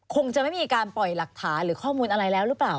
คงจะไม่มีการปล่อยหลักฐานหรือข้อมูลอะไรแล้วหรือเปล่า